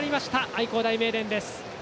愛工大名電です。